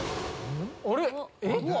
あれ？